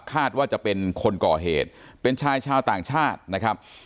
คาดว่าจะเป็นคนก่อเหตุเป็นชายชาวต่างชาตินะครับ